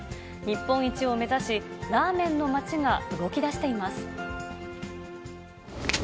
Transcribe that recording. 日本一を目指し、ラーメンの街が動きだしています。